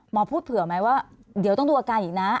พูดเผื่อไหมว่าเดี๋ยวต้องดูอาการอีกนะ